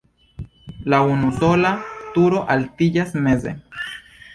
La unusola turo altiĝas meze.